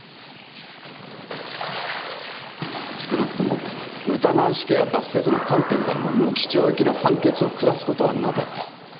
少なくとも疑わしきは罰せずの観点からも無期懲役の判決を下すことはなかった。